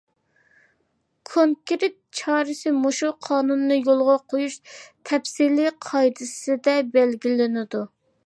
كونكرېت چارىسى مۇشۇ قانۇننى يولغا قۇيۇش تەپسىلىي قائىدىسىدە بەلگىلىنىدۇ.